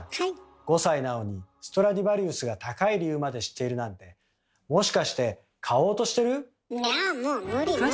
５歳なのにストラディヴァリウスが高い理由まで知っているなんていやぁもう無理無理です。